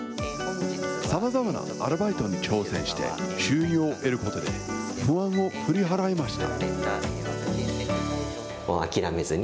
さまざまなアルバイトに挑戦して、収入を得ることで、不安を振り払えました。